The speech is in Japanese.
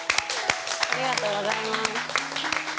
ありがとうございます。